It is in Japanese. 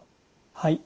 はい。